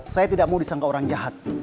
saya tidak mau disangka orang jahat